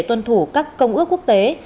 tuân thủ các công ước quốc tế